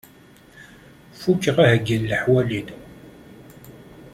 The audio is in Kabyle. Fukeɣ aheyyi n leḥwal-inu.